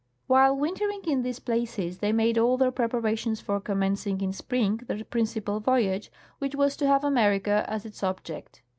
While wintering in these places, they made all their preparations for commenc ing in spring their principal voyage, which was to have America as its object.